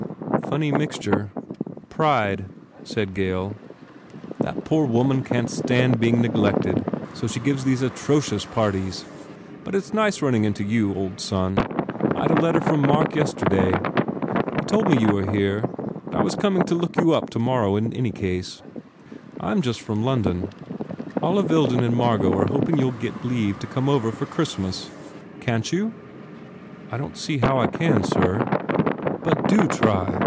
"Funny mixture." "Pride," said Gail, "The poor woman can t stand being neglected so she gives these atrocious parties. But it s nice running into you, old son. I d a letter from Mark yesterday. He told me you were here and I was coming to look you up tomorrow in any case. I m just from London. Olive Ilden and Margot are hoping you ll get leave to come over for Christmas. Can t you?" "I don t quite see how I can, sir." "But do try.